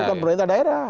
bukan pemerintah daerah